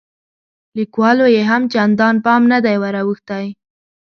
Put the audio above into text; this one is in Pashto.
لیکوالو یې هم چندان پام نه دی وراوښتی.